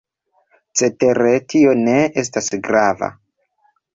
Cetere tio ne estas grava.